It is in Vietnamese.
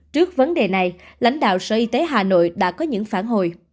trước vấn đề này lãnh đạo sở y tế hà nội đã có những phản hồi